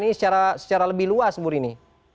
ini secara lebih luas bu rini